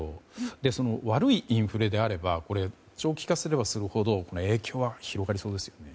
悪いインフレであれば長期化すればするほど影響は広がりそうですよね。